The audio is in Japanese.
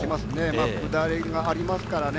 下りがありますからね。